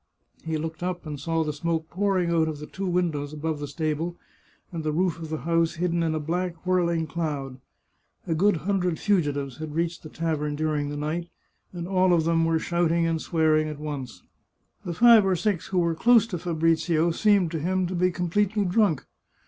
He looked up and saw the smoke pouring out of the two windows above the stable, and the roof of the house hidden in a black, whirling cloud. A good hundred fugitives had reached the tavern during the night, and all of them were shouting and swearing at once. The five or six who were close to Fabrizio seemed to him to be completely drunk.